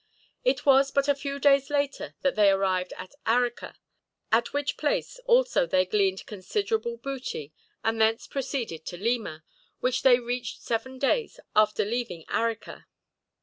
It was but a few days later that they arrived at Arica, at which place also they gleaned considerable booty, and thence proceeded to Lima, which they reached seven days after leaving Arica.